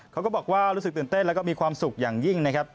เขาก็บอกว่ารู้สึกตื่นเต้นแล้วก็มีความสุขอย่างยิ่งนะครับ